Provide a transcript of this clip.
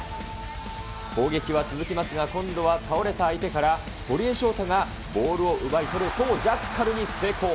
攻撃は続きますが、今度は倒れた相手から、堀江翔太がボールを奪い取る、そのジャッカルに成功。